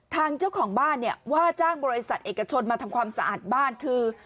ทางเจ้าของบ้านเนี่ยว่าจ้างบริษัทเอกชนมาทำความสะอาดบ้านคือ